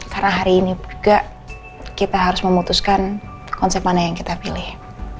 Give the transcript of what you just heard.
karena hari ini juga kita harus memutuskan konsep mana yang kita pilih